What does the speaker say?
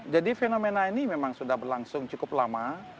jadi fenomena ini memang sudah berlangsung cukup lama